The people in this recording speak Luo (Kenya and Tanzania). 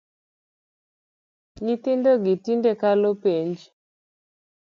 Nyithindo gi tinde kalo penj